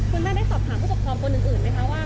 หมายถึงแผลที่ข้อมือใช่ไหม